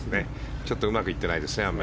ちょっとうまくいってないです。